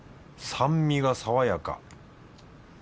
酸味が爽やか。